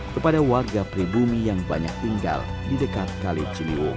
kepada warga pribumi yang banyak tinggal di dekat kali ciliwung